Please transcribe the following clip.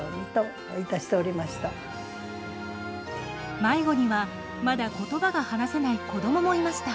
迷子にはまだことばが話せない子どもいました。